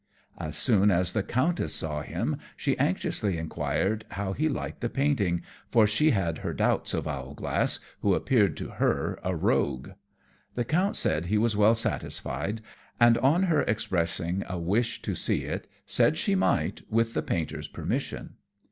As soon as the Countess saw him she anxiously inquired how he liked the painting, for she had her doubts of Owlglass, who appeared to her a rogue. The Count said he was well satisfied; and on her expressing a wish to see it, said she might, with the painter's permission.